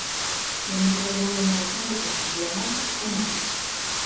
Яны паказалі нават на гэтым чэмпіянаце, што могуць.